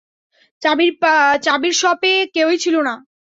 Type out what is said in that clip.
চাবির শপে কেউই ছিল না।